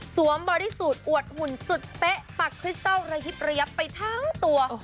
บอดี้สูตรอวดหุ่นสุดเป๊ะปักคริสเตอร์ระยิบระยับไปทั้งตัว